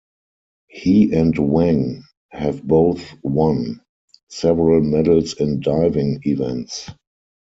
He and Wang have both won several medals in diving events.